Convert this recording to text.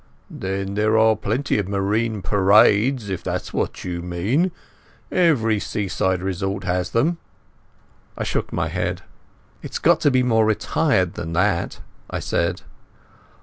"Then there are plenty of Marine Parades, if that's what you mean. Every seaside resort has them." I shook my head. "It's got to be more retired than that," I said.